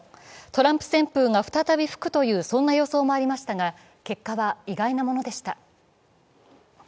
トランプ旋風が再び吹くという予想もありましたが結果は意外なものでした。